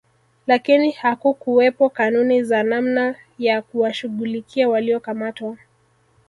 Lakini hakukuwepo kanuni za namna ya kuwashughulikia waliokamatwa